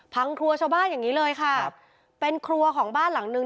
ครัวชาวบ้านอย่างงี้เลยค่ะครับเป็นครัวของบ้านหลังนึง